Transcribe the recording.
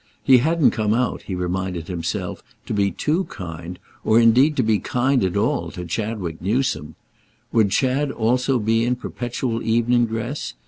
He hadn't come out, he reminded himself, to be too kind, or indeed to be kind at all, to Chadwick Newsome. Would Chad also be in perpetual evening dress?